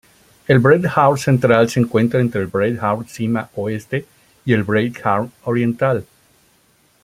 El Breithorn Central se encuentra entre el Breithorn cima oeste y el Breithorn Oriental.